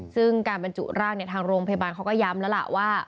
ซึ่งการบรรจุร่างทางโรงพยาบาลเขาก็ย้ำแล้วล่ะว่า